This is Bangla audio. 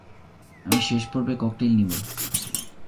আমি শেষ পর্বে ককটেইল নিবো।